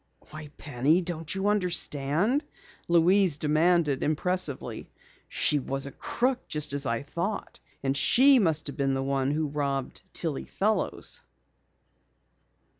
"Why, Penny, don't you understand?" Louise demanded impressively. "She was a crook just as I thought. And she must have been the one who robbed Tillie Fellows!"